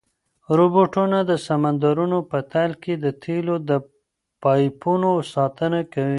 روبوټونه د سمندرونو په تل کې د تېلو د پایپونو ساتنه کوي.